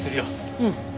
うん。